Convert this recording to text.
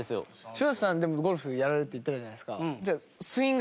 柴田さんでもゴルフやられるって言ってたじゃないですか。